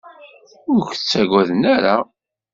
Ur k-ttagaden ara.